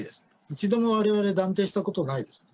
一度もわれわれ、断定したことないです。